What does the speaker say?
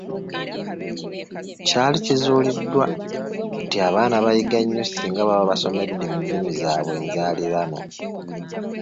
Kyali kizuuliddwa nti abaana bayiga nnyo ssinga baba basomedde mu nnimi zaabwe enzaaliranwa.